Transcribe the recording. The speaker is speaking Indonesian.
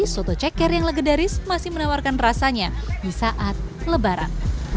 soto ceker yang legendaris masih menawarkan rasanya di saat lebaran